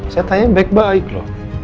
saya tanya baik baik loh